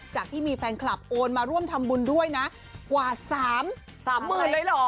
จากที่มีแฟนคลับโอนมาร่วมทำบุญด้วยนะกว่า๓หมื่นเลยเหรอ